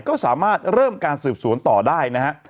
ก็สามารถเริ่มการสืบสวนต่อได้นะฮะ